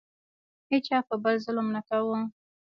هیچا په بل ظلم نه کاوه.